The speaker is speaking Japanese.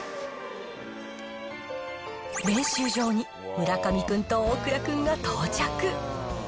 練習場に村上君と大倉君が到着。